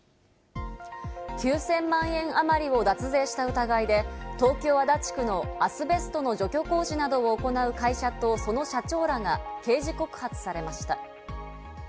９０００万円あまりを脱税した疑いで、東京・足立区のアスベストの除去工事などを行う会社とその社長らが刑事告発されました。